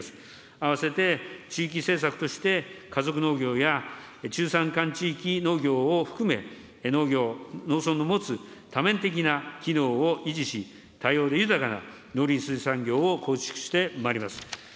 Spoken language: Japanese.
併せて地域政策として、家族農業や、中山間地農業を含め、農業、農村の持つ多面的な機能を維持し、多様で豊かな農林水産業を構築してまいります。